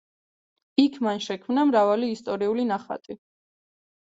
იქ მან შექმნა მრავალი ისტორიული ნახატი.